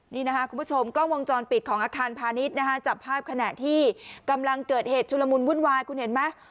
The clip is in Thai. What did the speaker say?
นี่นะคะคุณผู้ชมกล้องวงจรปิดของอาคารพาณิชย์นะฮะจับภาพขณะที่กำลังเกิดเหตุชุลมุนวุ่นวายคุณเห็นไหม